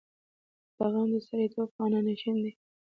دلته غم د سړیتوب خانه نشین دی.